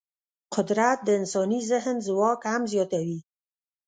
قدرت د انساني ذهن ځواک هم زیاتوي.